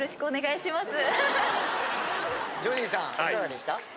いかがでした？